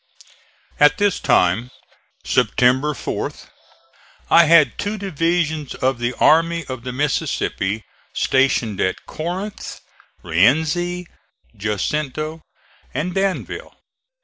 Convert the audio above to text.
At this time, September 4th, I had two divisions of the Army of the Mississippi stationed at Corinth, Rienzi, Jacinto and Danville.